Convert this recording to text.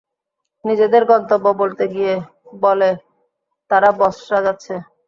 নিজেদের গন্তব্য বলতে গিয়ে বলে, তারা বসরা যাচ্ছে।